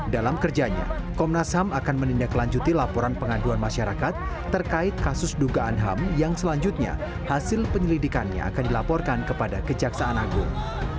dalam kerjanya komnas ham akan menindaklanjuti laporan pengaduan masyarakat terkait kasus dugaan ham yang selanjutnya hasil penyelidikannya akan dilaporkan kepada kejaksaan agung